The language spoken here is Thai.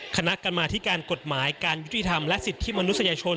คณะกรรมาธิการกฎหมายการยุติธรรมและสิทธิมนุษยชน